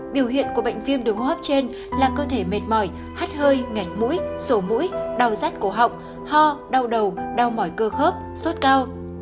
biểu hiện của bệnh viêm đường hô hấp trên là cơ thể mệt mỏi hắt hơi ngảnh mũi sổ mũi đau rát cổ họng ho đau đầu đau mỏi cơ khớp sốt cao